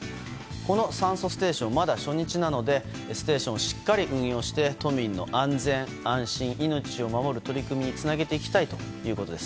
この酸素ステーションまだ初日なのでステーションをしっかり運用して都民の安心・安全命を守る取り組みにつなげていきたいということです。